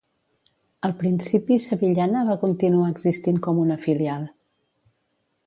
Al principi Sevillana va continuar existint com una filial.